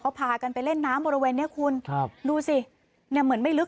เขาพากันไปเล่นน้ำบริเวณเนี้ยคุณครับดูสิเนี่ยเหมือนไม่ลึก